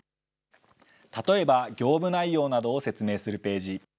例えば、業務内容などを説明するページ。